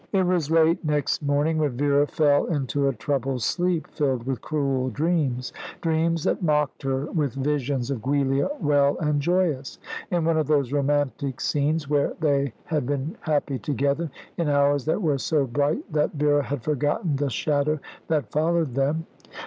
It was late next morning when Vera fell into a troubled sleep, filled with cruel dreams dreams that mocked her with visions of Giulia well and joyous in one of those romantic scenes where they had been happy together, in hours that were so bright that Vera had forgotten the shadow that followed them.